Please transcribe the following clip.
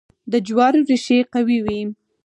د جوارو ریښې قوي وي.